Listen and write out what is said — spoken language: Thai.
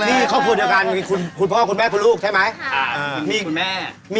นี่เขาพูดกันคุณพ่อคุณแม่คุณลูกใช่ไหม